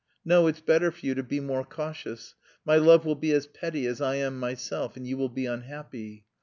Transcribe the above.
No, it's better for you to be more cautious, my love will be as petty as I am myself and you will be unhappy.